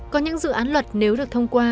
có những dự án luật nếu được thông qua